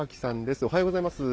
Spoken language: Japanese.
おはようございます。